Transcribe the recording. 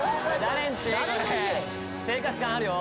生活感あるよ